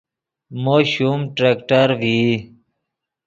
مو شوم ٹریکٹر ڤئی